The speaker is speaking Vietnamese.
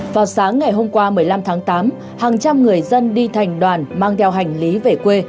vào sáng ngày hôm qua một mươi năm tháng tám hàng trăm người dân đi thành đoàn mang theo hành lý về quê